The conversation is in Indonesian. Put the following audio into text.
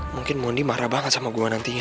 mungkin mondi marah banget sama gua nantinya